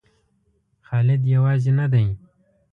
خالد یوازې نه دی.